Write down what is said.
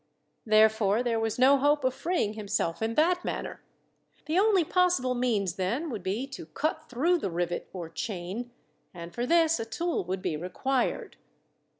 Therefore there was no hope of freeing himself in that manner. The only possible means, then, would be to cut through the rivet or chain, and for this a tool would be required.